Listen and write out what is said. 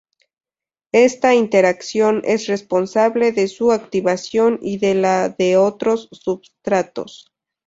Esta interacción es responsable de su activación y de la de otros substratos.